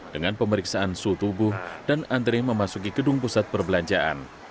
dengan pemeriksaan suhu tubuh dan antri memasuki gedung pusat perbelanjaan